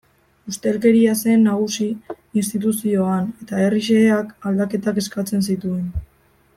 Ustelkeria zen nagusi instituzioan eta herri xeheak aldaketak eskatzen zituen.